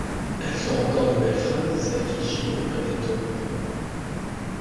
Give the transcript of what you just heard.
Elle sort encore de belles phrases, celle qui gît auprès des taupes, non?